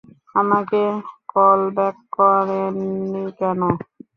আমাকে কলব্যাক করেননি কেন?